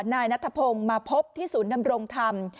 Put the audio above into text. นายนัทพงศ์มาพบที่ศูนย์ดำรงธรรม